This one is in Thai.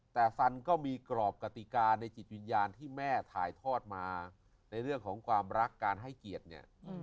แต่ฟันก็มีกรอบกติกาในจิตวิญญาณที่แม่ถ่ายทอดมาในเรื่องของความรักการให้เกียรติเนี่ย